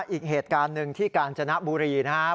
อีกเหตุการณ์หนึ่งที่กาญจนบุรีนะครับ